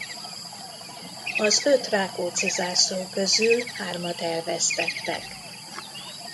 Az öt Rákóczi-zászló közül hármat elvesztettek.